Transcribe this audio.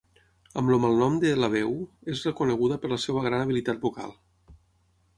Amb el malnom de La Veu, és reconeguda per la seua gran habilitat vocal.